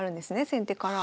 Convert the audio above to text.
先手から。